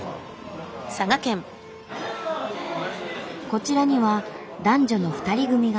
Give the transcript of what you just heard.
こちらには男女の２人組が。